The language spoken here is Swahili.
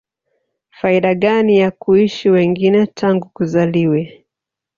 faida gani ya kuishi wengine tangu kuzaliwe